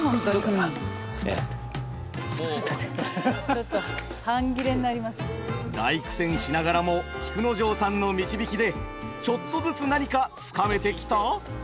ちょっと大苦戦しながらも菊之丞さんの導きでちょっとずつ何かつかめてきた？